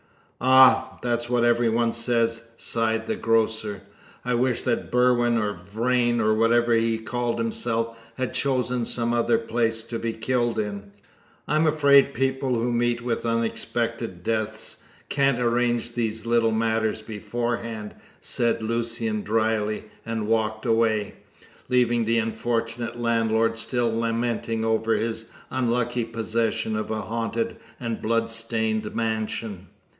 "Ah! that's what every one says," sighed the grocer. "I wish that Berwin, or Vrain, or whatever he called himself, had chosen some other place to be killed in." "I'm afraid people who meet with unexpected deaths can't arrange these little matters beforehand," said Lucian drily, and walked away, leaving the unfortunate landlord still lamenting over his unlucky possession of a haunted and blood stained mansion.